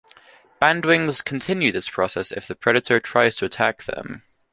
Bandwings continue this process if the predator tries to attack them.